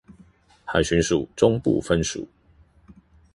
海巡署中部分署